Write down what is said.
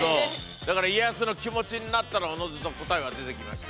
だから家康の気持ちになったらおのずと答えは出てきました。